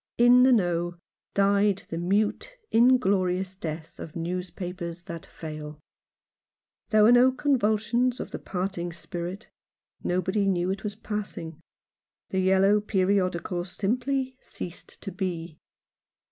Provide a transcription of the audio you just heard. In the Know died the mute, inglorious death of newspapers that fail. There were no convulsions of the parting spirit. Nobody knew it was passing. The yellow periodical simply ceased to be.